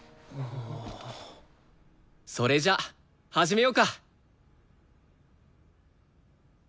それじゃ始めようか！